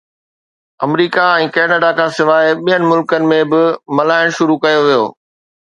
آمريڪا ۽ Canada کانسواءِ ٻين ملڪن ۾ به ملهائڻ شروع ڪيو ويو